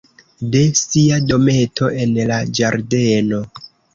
De sia dometo en la ĝardeno.